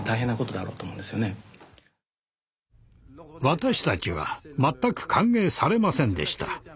私たちは全く歓迎されませんでした。